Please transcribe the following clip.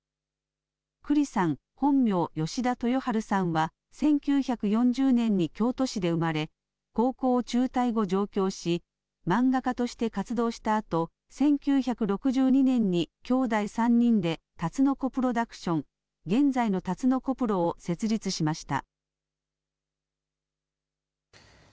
九里さん、本名・吉田豊治さんは、１９４０年に京都市で生まれ、高校を中退後、上京し、漫画家として活動したあと、１９６２年に兄弟３人で竜の子プロダクション、現在のタツノコプロを設立しました。